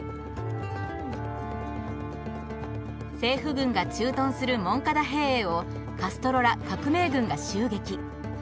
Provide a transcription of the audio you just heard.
政府軍が駐屯するモンカダ兵営をカストロら革命軍が襲撃。